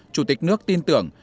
chủ tịch nước tin tưởng